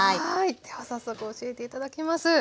では早速教えて頂きます。